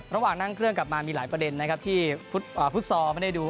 ระหว่างนั่งเครื่องกลับมามีหลายประเด็นนะครับที่ฟุตซอลไม่ได้ดู